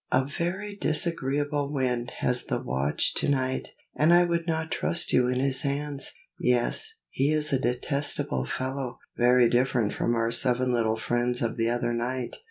A very disagreeable Wind has the watch to night, and I would not trust you in his hands. Yes, he is a detestable fellow, very different from our seven little friends of the other night.